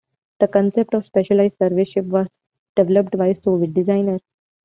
The concept of a specialized surface ship was developed by Soviet designers.